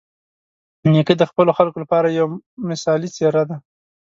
نیکه د خپلو خلکو لپاره یوه مثالي څېره ده.